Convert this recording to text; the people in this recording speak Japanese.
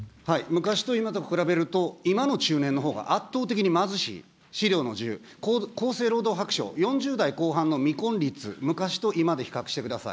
昔と今と比べると、今の中年のほうが圧倒的に貧しい、資料の１０、厚生労働白書、４０代後半の未婚率、昔と今で今で比較してください。